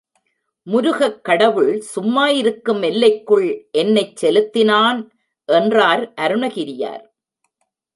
முருகக் கடவுள் சும்மா இருக்கும் எல்லைக்குள் என்னைச் செலுத்தினான் என்றார் அருணகிரியார்.